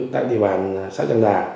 tại địa bàn xã tràng đà